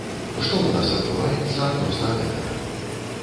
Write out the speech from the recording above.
Што ў нас адбываецца адносна гэтага?